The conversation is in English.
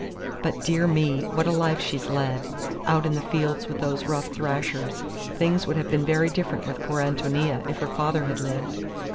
But, dear me, what a life she's led, out in the fields with those rough thrashers! Things would have been very different with poor Ántonia if her father had lived."